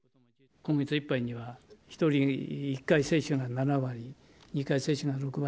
今月いっぱいには、１人１回接種が７割、２回接種が６割。